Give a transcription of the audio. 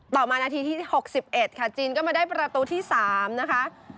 ต่อมานาทีที่๖๑ค่ะจีนก็มาได้ประตูที่๓นะคะ